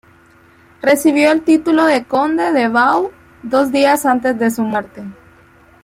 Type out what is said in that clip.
Recibió el título de conde de Bau dos días antes de su muerte.